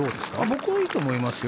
僕はいいと思いますよ。